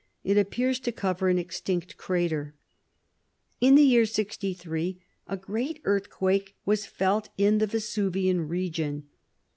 It appears to cover an extinct crater. In the year 63 a great earthquake was felt in the Vesuvian region.